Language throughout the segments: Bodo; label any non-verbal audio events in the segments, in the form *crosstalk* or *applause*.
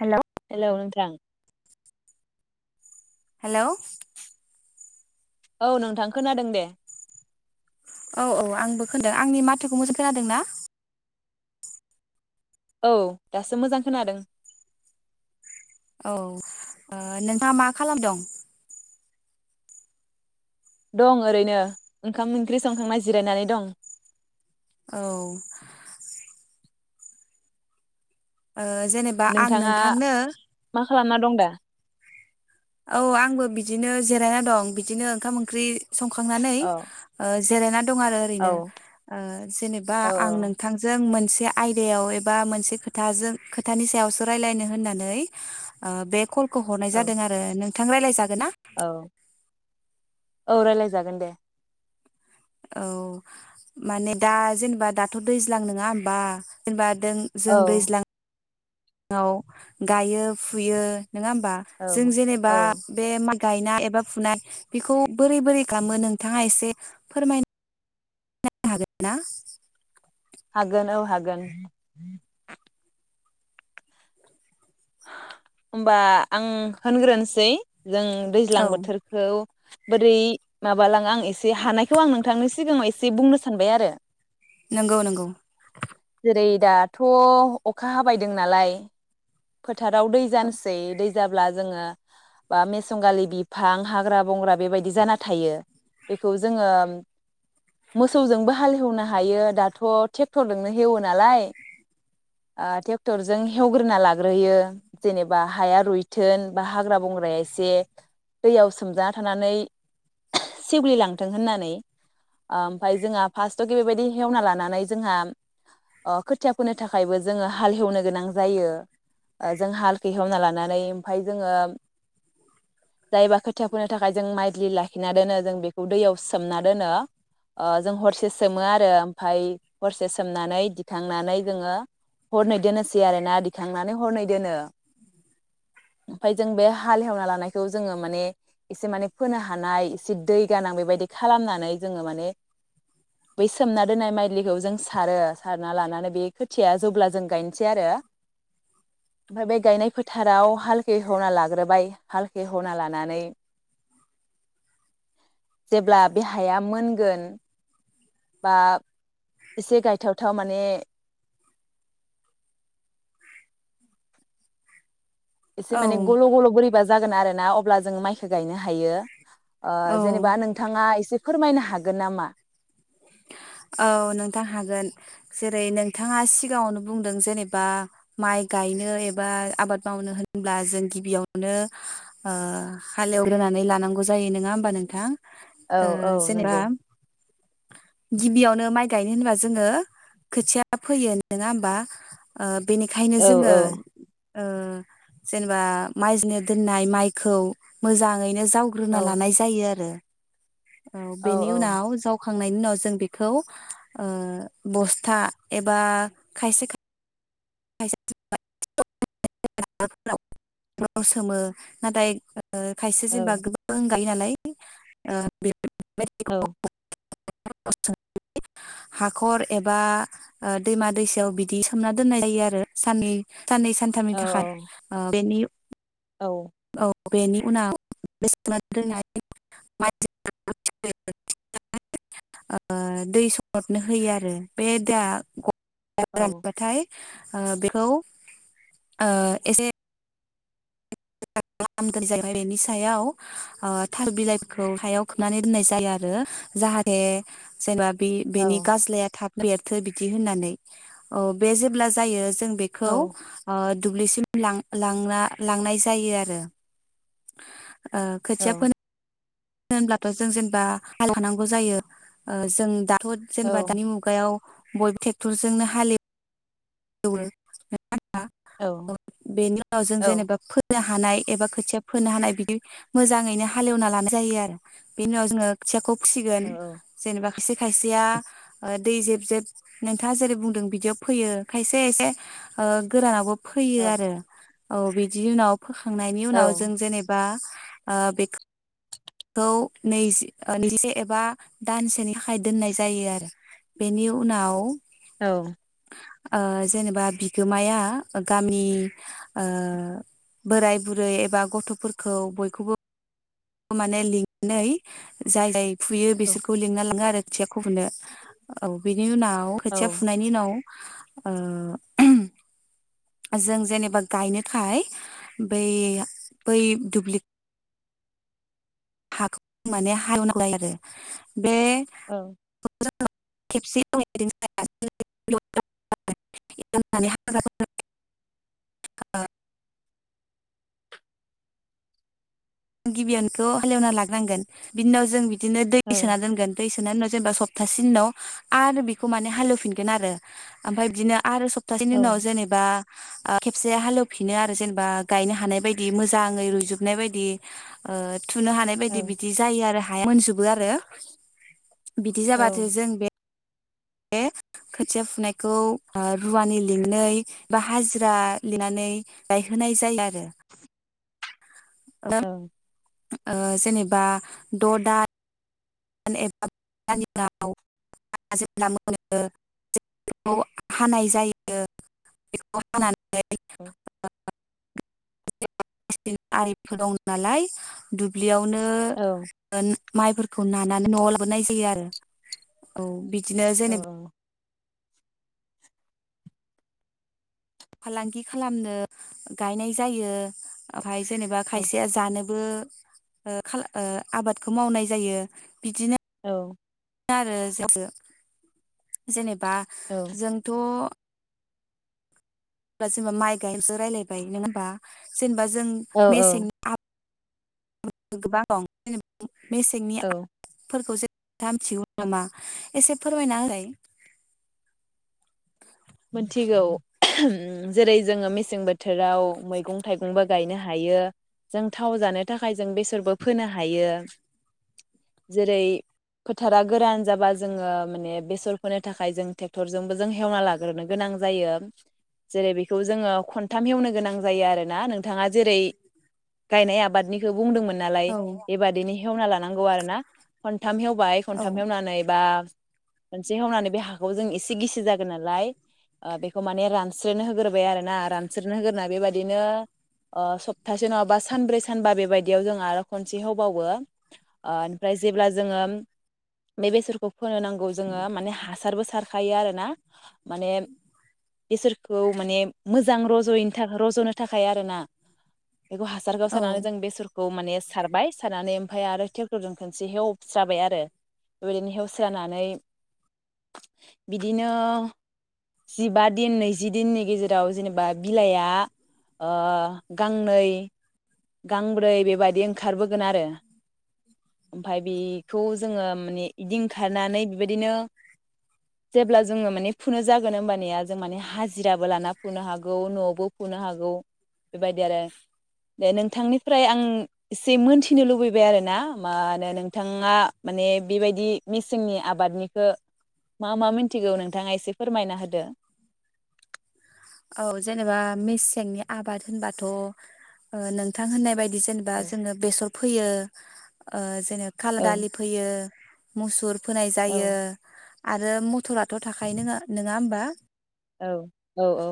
हेलौ। हेलौ नोंथां। हेलौ। औ नोंथां खोनादों दे। औ औ आंबो खोनादों आंनि माथोखौ मोसां खोनादों ना? औ दासो मोजां खोनादों। औ नोंथाङा मा खालामदं? दं ओरैनो ओंखाम ओंख्रि संखांना जिरायनानै दं। औ। जेनेबा आं नोंथाङा नोंथांनो मा खालामना दं दा? औ आंबो बिदिनो जिरायना दं बिदिनो ओंखाम ओंख्रि संखांनानै औ ओ जिरायना दं आरो औ एरैनो। औ जेनबा औ आं नोंथांजों मोन बे आयदायाव एबा मोनसे खोंथाजों खोथानि सायावसो रायलायनो होन्नानै औ बे कल खौ हरनाय जादों आरो औ नोंथां रायलाय जा गोन ना? औ औ रायलाय जागोन दे। औ माने दा जेनेबा दाथ दैज्लां नोङा होमबा जेनेबा *inaudible* औ जों दैज्लां *inaudible* गायो फुयो नङा होमबा औ जों जेनेबा औ बे मा गायनाय एबा फुनाय बेखौ बोरै बोरै खालामो नोंथाङा एसे फोरमाय *unintelligible* हागोन्ना? हागोन औ हागोन। ओमबा आं होनग्रोनोसै। जों दैज्लां औ बोथोरखौ बोरै माबालाङो आं एसे हानायखौ आं नोंथांनि सिगाङाव एसे बुंनो सानबाय आरो नंगौ नंगौ जेरै दाथ' अखा हाबाय दों नालाय फोथाराव दै जानोसै दै जाब्ला जोङो मेसंगालि बिफां हाग्रा‌ बंग्रा बेबायदि जाना थायो बेखौ जोङो मोसौजोंबो हाल एउनो हायो आरो दाथ थेकथरजोंनो एउओ नालाय ओ थेकथरजों हेउग्रो ला ग्रोयो जेनेबा हाया रुइथों बा हाग्रा बंग्राया एसे दैयाव सोमजाना थानानै सेवलिलांथों होननानै ओमफफ्राय जोंहा फार्स्टआवके बेबायदि हेवना लानानै जोंहा खोथिया फोनो थाखायबो जोङो हाल हेवनो गोनां जायो जों हालखै हमना लानानै ओमफाय जोङो जायबा खोथियाफोरनो थाखाय जों माइलि लाखिना दोनो जों बेखौ दैयाव सोमना दोनो जों हरसे सोमो आरो ओमफफ्राय हरसे सोमनानै दिखांनानै जोङो हरनै दोनोसै आरोना दिखां थांनानै हरनै दोनो ओमफफ्राय जों बे हालेवना लानायखौ जोङो माने एसे माने फोनो हानाय एसे दै गोनां बेबायदि खालामनानै जोङो माने बै सोमना दोननाय माइलिखौ जों सारो सारना लानानै बे खोथिया जेब्ला जों गायनोसै आरो ओमफाय बे गायनाय फोथाराव हालखे हना लाग्रोबाय हालखे हना लानानै जेब्ला बेहाया मोन गोन बा एसे गायथावथाव माने एसे औ माने गल' गल' बोरै बा जागोन आरो ना अब्ला जों माइखौ गायनो हायो औ जेनेबा नोंथाङा एसे फोरमायनो हागोन नामा औ नोंथां हागोन जेरै नोंथाङा सिगाङावनो बुंदों जेनेबा माइ गायनो एबा आबाद मावनो होनब्ला जों गिबियावनो हालेवग्रोनानै लानांगौ जायो नङा होमबा नोंथां ओ औ औ जेनेबा नंगौ गिबियावनो माइ गायनो होनबा जोङो खोथिया फैयो नङा होमबा बेनिखायनो औ जोङो जेनेबा माइजनो दोननाय माइखौ मोजां यैनो औ जावग्रोना लानाय जायो आरो औ बेनि उनाव जाव खांनायनि उनाव जों बेखौ बस्था एबा खायसे सोमो नाथाय खायसे जेनबा गोबां गायो नालाय औ *unintelligible* हाखर एबा दैमा दैसायाव बिदि सोमना दोननाय जायो आरो साननि साननै सानथामनि औ थाखाय बेनि औ औ बेनि उनाव ओ दै सरथनो होयो आरो बे दा ग थाय ओ बेखौ ओ एसे *unintelligible* बेनि सायाव ओ थार बिलाइफोरखौ हायाव खोबनानै दोननाय जायो आरो जाहाथे जेनेबा बे औ बेनि गाज्लाया थाब बेथो बिदि होननानै अ बे जेब्ला जायो जों बेखौ औ ओ दुब्लिसिम लां लाना लांनाय जायो आरो। ओ खोथिया फो होनब्लाथ' जों जेनेबा हालोवखानांगौ ओ जायो जों दा थ' जेनेबा दानि मुगायाव बयबो टेक्टरजोंनो हाले हालेवो। *unintelligible* औ बेनि उनाव जों जेनेबा फो फोनो हानाय एबा खोथिया फोनो हानाय बिदि मोजाङैनो हालेएवना लानाय जायो आरो बेनि उनाव जोङो खोथियाखौ सिगोन औ जेनेबा खायसे खायसेया ओ दै जेब जेब नोंथाङा जेरै बुंदों बिदियाव फोयो। खायसे खायसे ओ गोरानावबो फैयो आरो। औ बिदि उनाव फोखांनायनि उनाव जों जेनेबा ओ बेख खौ नैजि नैजिसे एबा दानसेनि थाखाय दोननाय जायो आरो बेनि उनाव औ। ओ जेनेबा बिगोमाया गामि ओ बोराय बुरै एबा गथ'फोरखौ बयखौबो माने लिंनानै जाय जाय फुयो बिसोरखौ लिंना लाङो आरो थियाखौ फुनो औ बे बिनि उनाव खोथिया फुनायनि उनाव ओ जों जेनेबा गायनोथाय बै बै दुब्लि हाखौ माने हालेवनांगौ जायो आरो। बे खेबसे *inaudible* गिबियानोखौ हालेवना लाग्रोनांगोन बिनि उनाव जों बिदिनो दै सोना दोनगोन। दै सोननि उनाव जेनेबा सप्तासेनि उनाव आरो बेखौ माने हालेवफिनगोन आरो ओमफ्राय बिदिनो आरो सप सबथासेनि उनाव जेनेबा ओ खेबसे हालवफिनो आरो जेनेबा गायनो हानाय बायदि मोजाङै रुजुबनाय बायदि ओ थुनो हानाय बायदि बिदि जायो आरो हाया मोनजोबोआरो बिदि जाबाथाय जों बे बे खोथिया फुनायखौ रुवानि लिंनाय बा हाजिरा लिरनानै गायहोनाय जायो आरो। *inaudible* ओं ओ जेनेबा द दा एबा उ जे मोनो हानाय जायो बेखौ हानानै *unintelligible* आरिफोर दं नालाय दुब्लि बेयावनो माइफोरख नानानै नआव लाबोनाय जायो आरो औ बि बिदिनो जेनेब फालांगि खालामनो गायनाय जायो ओम ओमफ्राय जेनेबा खायसेया जानो ओ ओ खाल आबादखौ मावनाय जायो बिदिनो औ आरो जे जेनेब बा जोंथ जा जेनेबा माइ गायनोसो रायजलायबाय नोंङा होमबा जेनेबा जों औ मेसेंनि आब गोबां दं जेनेबा मेसेंनि औ आबादफोरखौ था मिथिगौ नामा एसे फोरमायनालाय? मिथिगौ जेरै जोङो मेसें बोथोराव मैगं थाइगंबो गायनो हायो जों थाव जानो थाखाय जों बेसरबो फोनो हायो जेरै फोथारा गोरान जाबा जोङो माने बेसर फोनो थाखाय जों ट्रेक्टरजोंबो जों हेवना लाग ग्रोनो गोनां जायो जेरै बेखौ जोंङो खनथाम एवनो गोनां जायो आरो ना नोंथाङा जेरै गायनाय आबादनिखो बुंदोंमोन नालाय औ बेबादिनो हेवना लानांगौ आरोना खनथाम हेवबाय औ खनथाम हेवनानै बा खनसे हावनानै बे हाखौ जों एसे गिसि जागोन नालाय ओ बेखौ माने रानस्रनो होग्रोबाय आरोना रानस्रनो होग्रोना बेबायदिनो ओ सप्तासे नङाबा सानब्रै सानबा बेबायदियाव जों आरो खनसे होबावो ओ ओमफ्राय जेब्ला जोङो बे बेसरखौ फोनो नांगौ जोङो माने हासारबो सार खायो आरोना माने बिसोरखौ माने मोजां रजयैनो थाखाय रजनो थाखाय आरोना। बेखौ हासारगाव औ सारनानै जों बेसरख खौ माने सारबाय सारनानै ओमफ्राय आरो ट्रेक्टरजों खनसे हेवस्राबाय आरो बेबायदिनो हेवस्रानानै बिदिनो जिबा दिन नैजि दिननि गेजेराव जेनेबा बिलाइआ ओ गांनै गांब्रै बेबायदि ओंखारबोगोन आरो ओमफ्राय बेखौ जोङो माने इदि ओंखारनानै बेबायदिनो जेब्ला जोङो माने फुनो जागोन होमबानिया जों माने हाजिराबो लाना फुनो हागौ नवावबो फुनो हागौ। बेबायदि आरो। दे नोंथांनिफ्राय आं एसे मोनथिनो लुबैबाय आरो ना मा होनो नोंथाङा माने बेबायदि मेसेंनि आबादनिखौ मा मा मिथिगौ नोंथाङा एसे फोरमायना होदो। औ जेनेबा मेसेंनि आबाद होनबाथ‌ ओ नोंथां होननाय बायदि जेनेबा औ जोंङो बेसर फैयो ओ खाल औ दालि फैयो। मुसुर फोनाय औ जायो। आरो मथराथ थाखायो नोङा नोङा होमबा। औ औ औ।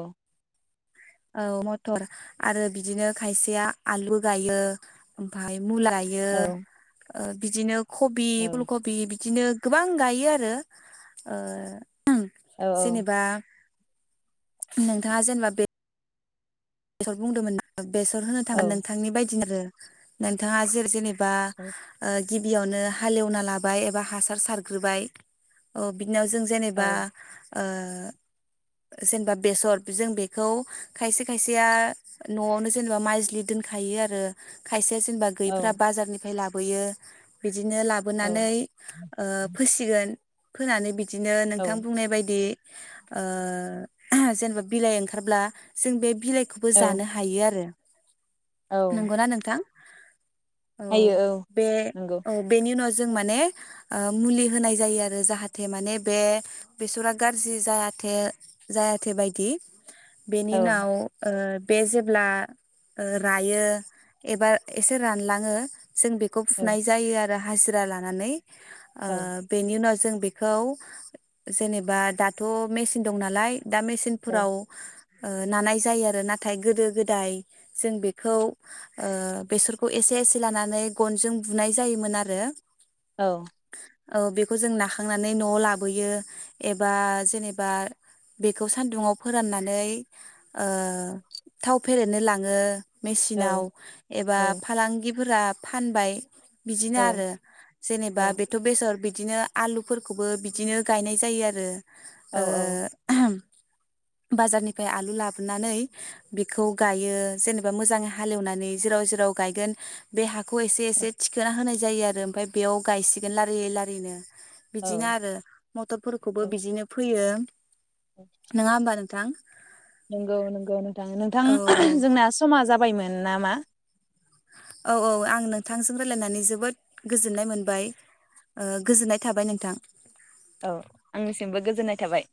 औ मथर आरो बिदिनो खायसेया आलु गायो ओमफाय मुला गायो। औ ओ बिदिनो। खबि औ फुलकबि बिद बिदिनो गोबां गायो आरो ओ ‌ओं औ जेनेबा नोंथाङा जेनेबा बे बेसर बुंदोंमोन ना बेसर होनो औ थाङो नोंथांनि बाय दि आरो नोंथाङा जे जेनेबा बा‌ ओ गिबियावनो हालेवना लाबाय एबा हासार सारग्रोबाय औ बिदि *unintelligible* जों जेनेबा औ ओ जेनेबा बेसर जों बेखौ खायसे खाय सेया नआवनो जेनेबा माइजलो दोनखायो आरो खायसे जेनेबा गैयैफ्रा औ बाजारनिफ्राय लाबो बोयो बि दिनो लाबोनानै ओ फोसिगोन। फोनानै बिद। दिनो नोंथां औ बुंनाय बायदि ओ जेनेबा बिलाइ ओंखारब्ला जों बे बिलाइखौबो औ जानो हायो आरो। औ नंगौना नोंथां? औ बे नंगौ औ बेनि उनाव जों माने ओ मुलि होनाय जायो आरो जाहाथे माने बे बेसरा गाज्रि जायाथो जायाथो बायदि। बेनि औ नाव ओ बे जेब्ला ओ रायो एबा एसे रानलाङो जों बेखौ औ फुनाय जायो आरो *unintelligible* हाजिरा लानानै। ओ औ बेनि उनाव जों बेखौ जेनेबा दाथ' मेसिन दं नालाय दा औ मेसिनफोराव ओ नानाय जायो आरो नाथाय गोदो गोदाय जों बेखौ ओ बेसरखौ एसे एसे लानानै गनजों बुनाय जायोमोन आरो औ औ बेखौ जों नाखांनानै न'आव लाबोयो एबा जेनेबा बेखौ सानदुुंआव फोराननानै ओ थाव फेरेदनो लाङो। औ मेसिनाव एबा औ फालांगि फोरा फानबाय बिदिनो आरो जेनेबा औ बेथ' बेसर बिदिनो आलुफोरखौबो बिदिनो गायनाय जायो आरो ओ, ओहोम बाजारनिफ्राय आलु लाबो नानै बिखौ गायो जेनेबा मोजां हालेवनानै जेराव- जेराव गायगोन बे हा खौ एसे एसे थिखोना होनाय जायो आरो ओमफ्राय बेयाव गायसिगोन लारि लारिनो। औ बिदिनो आरो मथरफोरखौबो बिदिनो फोयो। नोंङा होमबा नों थां नंगौ, नंगौ नोंथां। नोंथां जोंना समा जा बायमोन नामा? औ, औ आं नोंथांजों रायलायनानै जोबोद गोजोननाय मोनबाय ओ गोजोननाय थाबाय नोंथां। औ आंनिसिमबो गोजोननाय थाबाय।